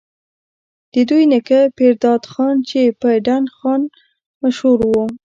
د دوي نيکه پيرداد خان چې پۀ ډنډ خان مشهور وو،